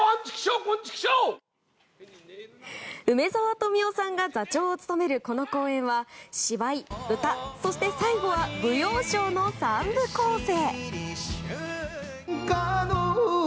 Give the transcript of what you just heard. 梅沢富美男さんが座長を務めるこの公演は芝居、歌、そして最後は舞踊ショーの３部構成。